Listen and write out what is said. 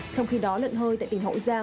trong khi đó lận hơi tại tỉnh hậu giang